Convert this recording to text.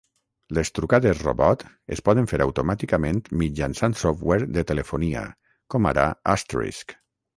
Les trucades robot es poden fer automàticament mitjançant software de telefonia, com ara Asterisk.